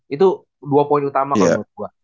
itu dua poin utama kalau menurut gue